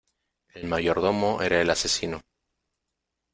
El mayordomo era el asesino.